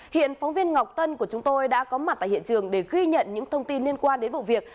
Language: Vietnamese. hiện phóng viên ngọc tân của chúng tôi đã có mặt tại hiện trường để ghi nhận những thông tin liên quan đến vụ việc